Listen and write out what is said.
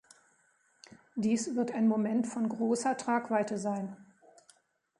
Dies wird ein Moment von großer Tragweite sein.